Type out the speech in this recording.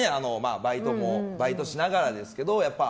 バイトしながらですけど。